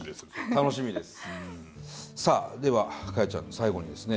楽しみです。